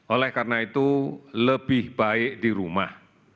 oleh karena itu lebih baik di rumah